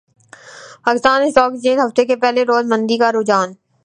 Pakistan stock exchange ہفتے کے پہلے روز مندی کا رحجان